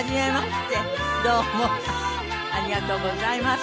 ありがとうございます。